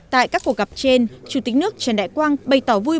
tại các cuộc gặp trên chủ tịch nước trần đại quang bày tỏ vui